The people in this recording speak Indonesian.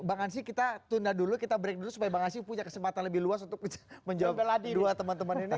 bang ansyi kita tunda dulu kita break dulu supaya bang asyik punya kesempatan lebih luas untuk menjawab dua teman teman ini